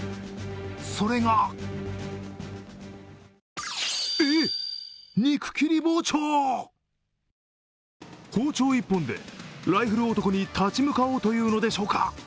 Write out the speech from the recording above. それがえっ、肉切り包丁！包丁１本でライフル男に立ち向かおうというのでしょうか。